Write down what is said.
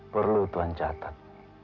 perlu tuhan catat